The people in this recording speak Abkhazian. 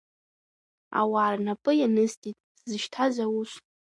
Ауаа рнапы ианысҵеит сзышьҭаз аус.